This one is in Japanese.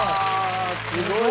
すごい！